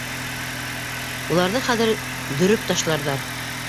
Уларҙы хәҙер дөрөп ташларҙар.